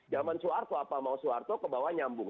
jangan suarto apa mau suarto ke bawah nyambung